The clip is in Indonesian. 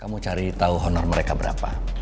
kamu cari tahu honor mereka berapa